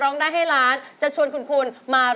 เพลงที่เจ็ดเพลงที่แปดแล้วมันจะบีบหัวใจมากกว่านี้